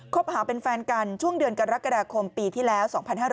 หาเป็นแฟนกันช่วงเดือนกรกฎาคมปีที่แล้ว๒๕๕๙